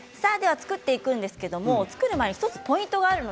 作っていくんですけれど作る前に１つポイントがあります。